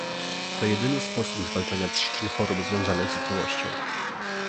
To jedyny sposób zwalczania przyczyn chorób związanych z otyłością